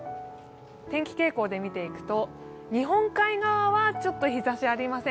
天気傾向で見ていくと、日本海側はちょっと日ざしありません。